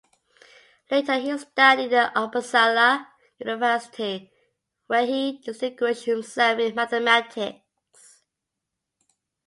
Later he studied at Uppsala University, where he distinguished himself in mathematics.